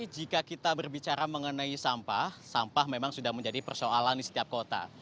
jika kita berbicara mengenai sampah sampah memang sudah menjadi persoalan di setiap kota